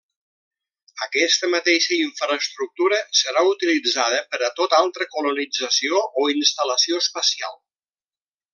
Aquesta mateixa infraestructura serà utilitzada per a tot altra colonització o instal·lació espacial.